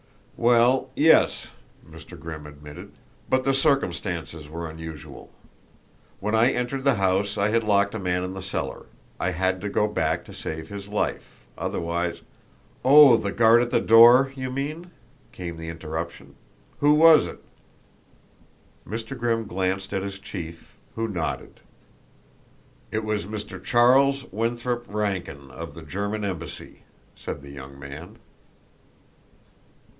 "Well, yes," Mr. Grimm admitted. "But the circumstances were unusual. When I entered the house I had locked a man in the cellar. I had to go back to save his life, otherwise " "Oh, the guard at the door, you mean?" came the interruption. "Who was it?" Mr. Grimm glanced at his chief, who nodded. "It was Mr. Charles Winthrop Rankin of the German embassy," said the young man.